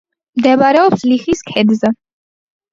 მდებარეობს ლიხის ქედზე.